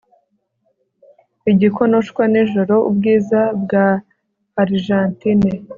igikonoshwa nijoro ubwiza bwa arijantine